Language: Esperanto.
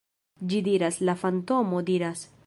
Ĝi diras, la fantomo diras